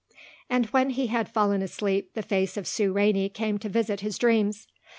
And when he had fallen asleep the face of Sue Rainey came to visit his dreams.